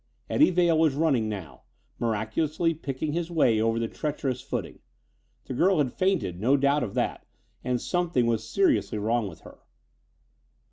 Eddie Vail was running now, miraculously picking his way over the treacherous footing. The girl had fainted, no doubt of that, and something was seriously wrong with her.